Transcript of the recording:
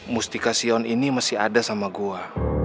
mustika sion ini masih ada sama gua